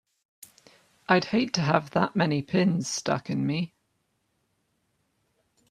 I'd hate to have that many pins stuck in me!